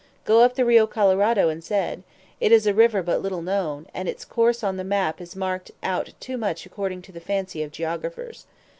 "Go up the Rio Colorado instead. It is a river but little known, and its course on the map is marked out too much according to the fancy of geographers."